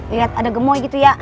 lihat ada gemoy gitu ya